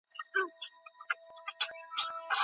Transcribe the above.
ژوند د تجربو او زده کړو یو اوږد سفر دی.